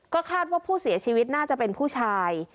ก็คาดว่าผู้เสียชีวิตน่าจะเป็นผู้ชาย